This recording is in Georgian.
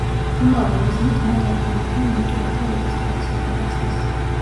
იმავე მიზნით, მათ ადგილობრივ ლიტველთა რეგისტრაცია დაიწყეს.